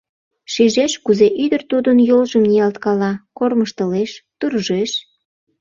Шижеш, кузе ӱдыр тудын йолжым ниялткала, кормыжтылеш, туржеш.